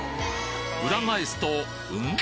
裏返すとうん？